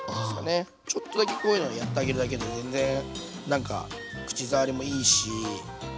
ちょっとだけこういうのやってあげるだけで全然なんか口触りもいいしおいしく食べれるんで。